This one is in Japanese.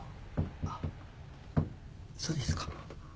あっそうですか。